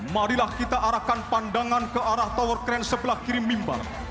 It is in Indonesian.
marilah kita arahkan pandangan ke arah tower crane sebelah kiri mimbar